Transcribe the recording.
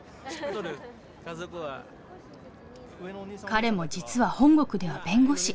彼も実は本国では弁護士。